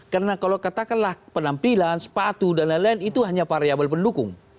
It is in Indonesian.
karena kalau katakanlah penampilan sepatu dan lain lain itu hanya variable pendukung